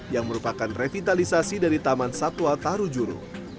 yang merupakan revitalisasi dari taman satwa tarujuru